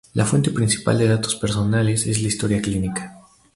La fuente principal de datos personales es la historia clínica.